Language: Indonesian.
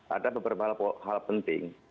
ada beberapa hal penting